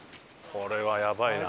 これはやばいな。